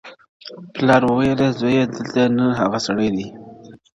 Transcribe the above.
پلار ویل زویه دلته نر هغه سړی دی-